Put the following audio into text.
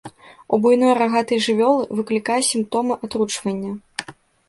У буйной рагатай жывёлы выклікае сімптомы атручвання.